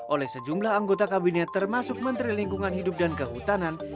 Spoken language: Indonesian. oleh sejumlah anggota kabinet termasuk menteri lingkungan hidup dan kehutanan